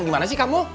bagaimana sih kamu